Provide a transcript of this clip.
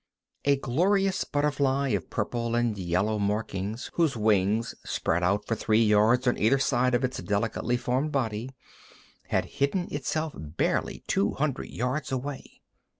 A glorious butterfly of purple and yellow markings, whose wings spread out for three yards on either side of its delicately formed body, had hidden itself barely two hundred yards away.